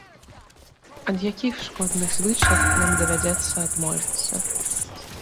Ад якіх шкодных звычак нам давядзецца адмовіцца?